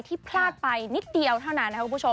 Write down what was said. พลาดไปนิดเดียวเท่านั้นนะครับคุณผู้ชม